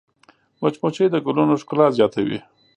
مچمچۍ د ګلونو ښکلا زیاتوي